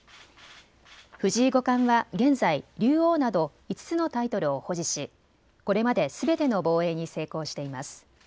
藤井五冠は現在、竜王など５つのタイトルを保持し、これまですべての防衛に成功しています。